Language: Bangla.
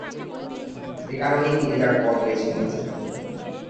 এ কারণেই তিনি তার পথ বেছে নিয়েছেন।